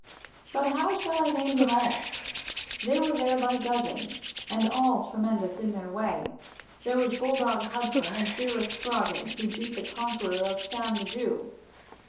But how shall I name them all? They were there by dozens, and all tremendous in their way. There was Bulldog Hudson, and fearless Scroggins, who beat the conqueror of Sam the Jew.